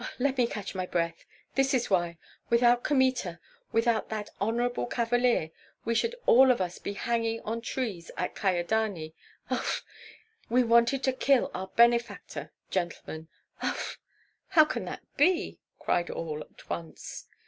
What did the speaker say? Let me catch breath. This is why, without Kmita, without that honorable cavalier, we should all of us be hanging on trees at Kyedani. Uf! we wanted to kill our benefactor, gentlemen! Uf!" "How can that be?" cried all, at once.